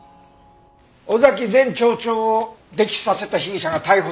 尾崎前町長を溺死させた被疑者が逮捕されたよ。